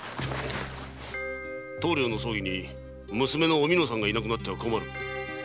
棟梁の葬儀に娘のおみのさんがいなくなっては困る。